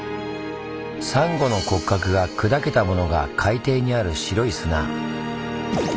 サンゴの骨格が砕けたものが海底にある白い砂。